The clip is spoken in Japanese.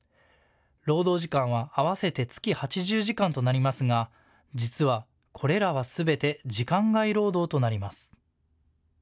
労働時間は合わせて月８０時間となりますが、実はこれらはすべて時間外労働となります。